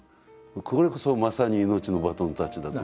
これこそまさに命のバトンタッチだと。